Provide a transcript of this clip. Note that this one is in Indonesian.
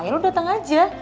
ya lo dateng aja